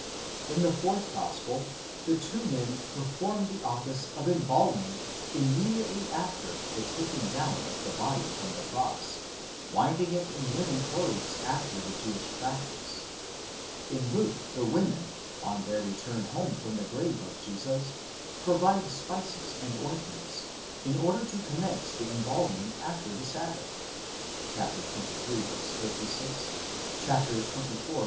In the fourth gospel the two men perform the office of embalming immediately after the taking down of the body from the cross, winding it in linen clothes after the Jewish practice ; in Luke the women, on their return home from the grave of Jesus, provide spices and ointments, in order to commence the embalming after the sabbath (xxiii. 56, xxiv.